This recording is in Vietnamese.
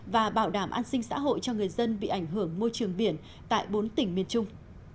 và bảo đảm an sinh xã hội cho người dân bị ảnh hưởng môi trường biển tại bốn tỉnh miền trung